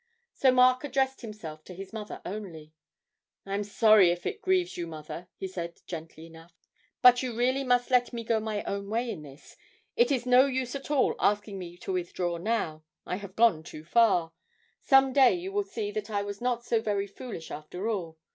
So Mark addressed himself to his mother only. 'I'm sorry if it grieves you, mother,' he said, gently enough; 'but you really must let me go my own way in this it is no use at all asking me to withdraw now.... I have gone too far.... Some day you will see that I was not so very foolish after all.